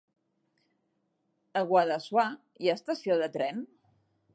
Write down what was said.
A Guadassuar hi ha estació de tren?